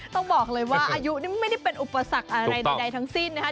ต้องบอกเลยว่าอายุนี่ไม่ได้เป็นอุปสรรคอะไรใดทั้งสิ้นนะคะ